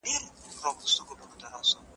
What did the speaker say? د رایې حق انسان ته ځواک ورکوي.